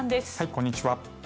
こんにちは。